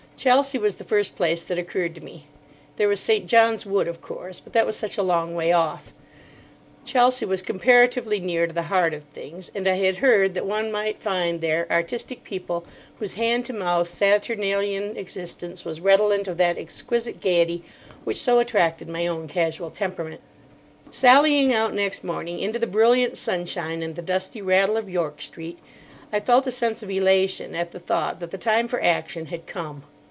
Chelsea was the first place that occurred to me. There was St. John's Wood, of course, but that was such a long way off. Chelsea was comparatively near to the heart of things, and I had heard that one might find there artistic people whose hand to mouth, Saturnalian existence was redolent of that exquisite gaiety which so attracted my own casual temperament. Sallying out next morning into the brilliant sunshine and the dusty rattle of York Street, I felt a sense of elation at the thought that the time for action had come.